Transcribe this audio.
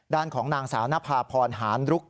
ด้านของนางสาวนภาพรหานรุก